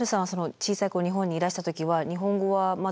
小さい頃日本にいらした時は日本語はまだ？